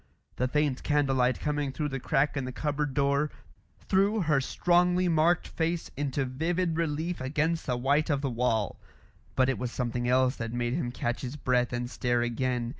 The faint candle light coming through the crack in the cupboard door, threw her strongly marked face into vivid relief against the white of the wall. But it was something else that made him catch his breath and stare again.